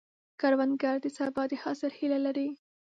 کروندګر د سبا د حاصل هیله لري